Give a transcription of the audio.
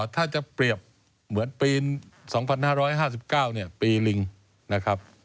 ถ้าจะเปรียบเหมือนปีสองพันห้าร้อยห้าสิบเก้าเนี่ยปีลิงนะครับ